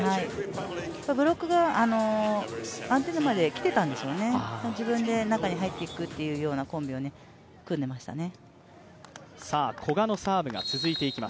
ブロックがアンテナまで来ていたんですよね、自分で中に入っていくというようなコンビを組んでましたね。